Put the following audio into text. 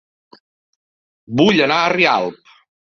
Vull anar a Rialp